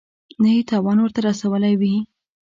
نه یې تاوان ورته رسولی وي.